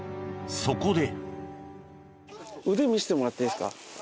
そこで。